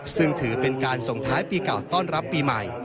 ซึ่งถือเป็นการส่งท้ายปีเก่าต้อนรับปีใหม่